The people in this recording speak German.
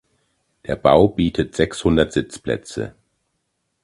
Der Bau bietet sechshundert Sitzplätze.